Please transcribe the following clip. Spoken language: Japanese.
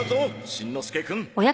しんのすけくん！